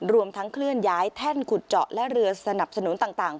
รวมทั้งเคลื่อนย้ายแท่นขุดเจาะและเรือสนับสนุนต่าง